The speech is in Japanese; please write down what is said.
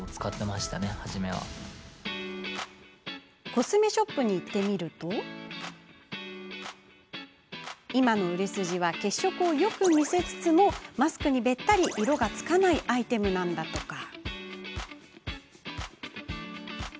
コスメショップに行ってみると今の売れ筋は血色をよく見せつつマスクにべったり色がつかないアイテムなんだとか。